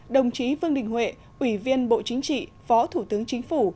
đồng chí vương đình huệ ủy viên bộ chính trị phó thủ tướng chính phủ